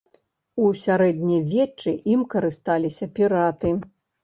У сярэднявеччы ім карысталіся піраты.